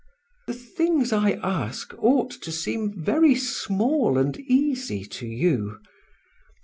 The things I ask ought to seem very small and easy to you.